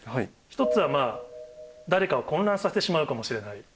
１つは誰かを混乱させてしまうかもしれない。